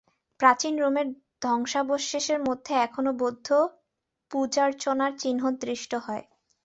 প্রাচীন রোমের ধ্বংসাবশেষের মধ্যে এখনও বৌদ্ধপূজার্চনার চিহ্ন দৃষ্ট হয়।